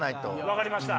分かりました。